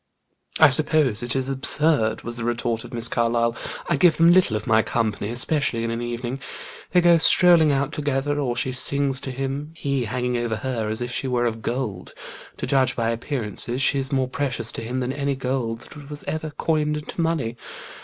"I suppose it is absurd," was the retort of Miss Carlyle. "I give them little of my company, especially in an evening. They go strolling out together, or she sings to him, he hanging over her as if she were of gold: to judge by appearances, she is more precious to him than any gold that was ever coined into money.